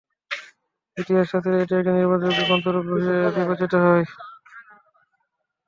ইতিহাস শাস্ত্রে এটি একটি নির্ভরযোগ্য গ্রন্থরূপে বিবেচিত হয়।